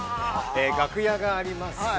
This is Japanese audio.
楽屋があります。